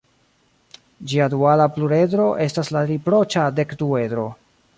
Ĝia duala pluredro estas la riproĉa dekduedro.